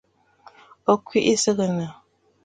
Ò kwìʼi sɨgɨ̀nə̀.